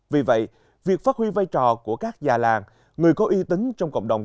vì vậy việc phát huy vai trò của các già làng người có y tính trong cộng đồng